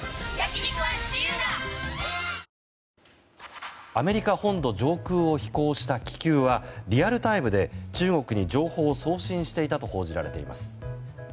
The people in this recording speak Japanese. ＪＴアメリカ本土上空を飛行した気球はリアルタイムで中国に情報を送信していたと報じられています。